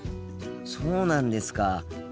そうなんですか。